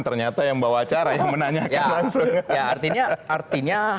ternyata yang bawa acara yang menanyakan